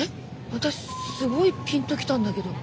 私すごいピンと来たんだけど。